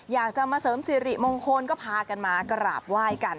อยากจะมาเสริมสิริมงคลก็พากันมากราบไหว้กัน